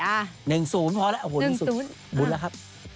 อ่าหนึ่งศูนย์พอและหนึ่งสุดบุญแล้วครับ